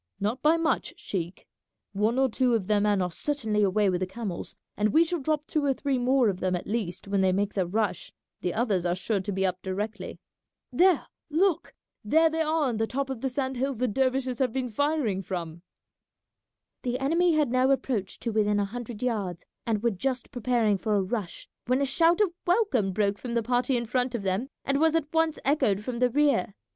"Not by much, sheik; one or two of their men are certainly away with the camels, and we shall drop two or three more of them at least when they make their rush; the others are sure to be up directly. There, look! There they are on the top of the sand hills the dervishes have been firing from." The enemy had now approached to within a hundred yards, and were just preparing for a rush when a shout of welcome broke from the party in front of them and was at once echoed from the rear.